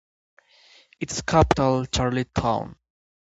Its capital is Charlottetown.